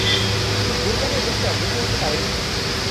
তিনি গুরগানের বেশি অগ্রসর হতে পারেননি।